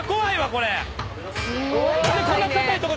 これ。